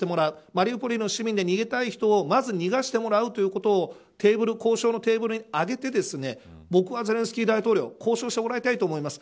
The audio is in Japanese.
マリウポリの市民で逃げたい人をまず逃がしてもらうということを交渉のテーブルに上げて僕は、ゼレンスキー大統領に交渉してもらいたいと思います。